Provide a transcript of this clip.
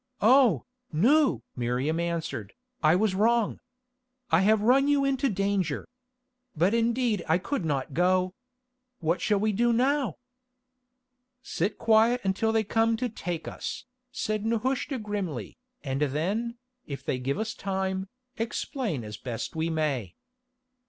"Oh, Nou!" Miriam answered, "I was wrong. I have run you into danger. But indeed I could not go. What shall we do now?" "Sit quiet until they come to take us," said Nehushta grimly, "and then, if they give us time, explain as best we may."